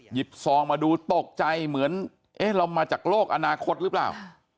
ซองมาดูตกใจเหมือนเอ๊ะเรามาจากโลกอนาคตหรือเปล่า